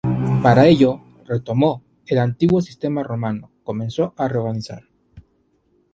Para ello, retomó el antiguo sistema romano, comenzó a reorganizar.